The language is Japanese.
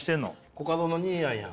コカドのにーやんやん。